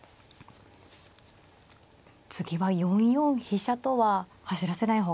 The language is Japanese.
次は４四飛車とは走らせない方がいいんですか。